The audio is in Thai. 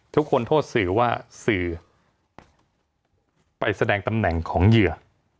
ทุกคนโทษสื่อว่าสื่อไปแสดงตำแหน่งของเหยื่อ